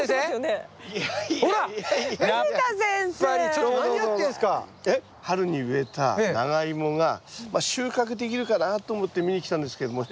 ちょっと何やってんすか⁉春に植えたナガイモが収穫できるかなと思って見に来たんですけれども。